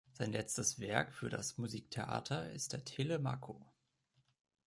Sein letztes Werk für das Musiktheater ist der Telemaco.